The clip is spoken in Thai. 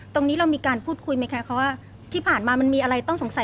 ตรงนี้เรามีการพูดคุยไหมคะเขาว่าที่ผ่านมามันมีอะไรต้องสงสัย